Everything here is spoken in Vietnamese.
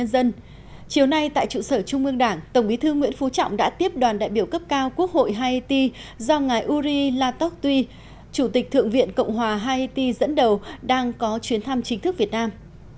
ngài uri la toc tuy chủ tịch thượng viện cộng hòa haiti dẫn đầu đang có chuyến thăm chính thức việt nam